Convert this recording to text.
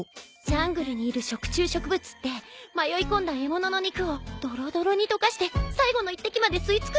ジャングルにいる食虫植物って迷い込んだ獲物の肉をドロドロに溶かして最後の一滴まで吸い尽くすそうよ。